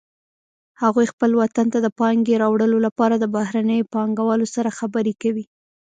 هغوی خپل وطن ته د پانګې راوړلو لپاره د بهرنیو پانګوالو سره خبرې کوي